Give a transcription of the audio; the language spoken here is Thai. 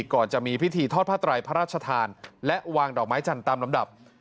ก่อนจะมีพิธีทอดผ้าไตรพระราชทานและวางดอกไม้จันทร์ตามลำดับ